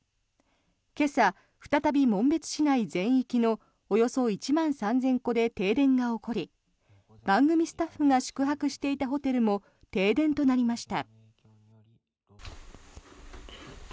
今朝、再び紋別市内全域のおよそ１万３０００戸で停電が起こり番組スタッフが宿泊していたホテルも停電となりました。